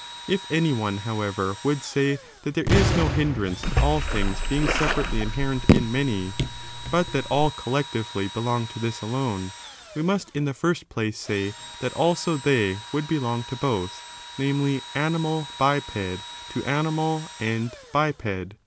If any one, however, would say ejection. ^j^^ ^jjQjQ ig ^Q hindrance to aU things being CH. XV.] IDEA» INDSFINABLX. 205 separately inherent in many, but that all collectively belong to this alone, we must, in the first place, say that sJso they would belong to both ; namely, animal biped to animal and biped.